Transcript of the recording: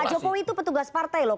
pak jokowi itu petugas partai loh